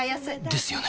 ですよね